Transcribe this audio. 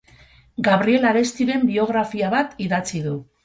Gabriel Arestiren biografia bat idatzi du.